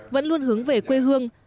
vẫn luôn hướng về quê hương